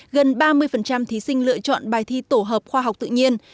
gần ba mươi thí sinh lựa chọn bài thi tổ hợp khoa học tự nhiên